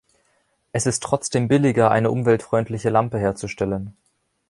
Es ist trotzdem billiger, eine umweltfreundliche Lampe herzustellen.